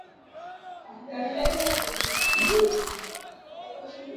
pendo kuna msikilizaji anaitwa hakusema jina lake lakini anaitwa mose